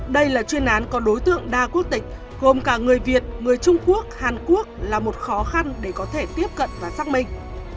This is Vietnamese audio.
đây là chuyên án có đối tượng đa quốc tịch gồm cả người việt người trung quốc hàn quốc là một khó khăn để có thể tiếp cận và xác minh